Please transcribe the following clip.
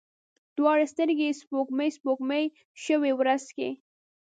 دواړې سترګي یې سپوږمۍ، سپوږمۍ شوې ورځ کې